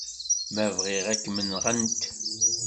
Ma bɣiɣ, ad kem-nɣent.